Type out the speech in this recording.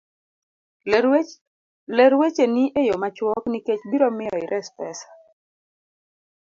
ler wecheni e yo machuok nikech biro miyo ires pesa.